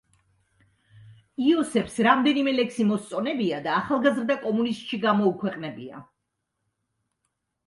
იოსებს რამდენიმე ლექსი მოსწონებია და „ახალგაზრდა კომუნისტში“ გამოუქვეყნებია.